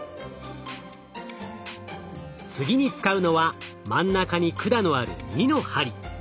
次に使うのは真ん中に管のある２の針。